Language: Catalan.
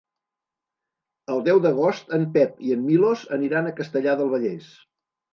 El deu d'agost en Pep i en Milos aniran a Castellar del Vallès.